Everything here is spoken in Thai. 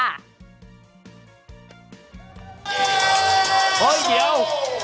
เฮ้ยเดี๋ยว